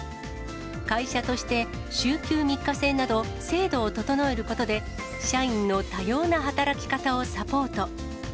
会社として、週休３日制など、制度を整えることで、社員の多様な働き方をサポート。